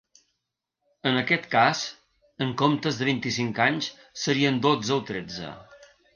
En aquest cas, en comptes de vint-i-cinc anys, serien dotze o tretze.